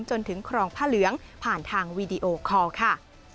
นครพระเหลืองผ่านทางวีดีโอคอลค่ะ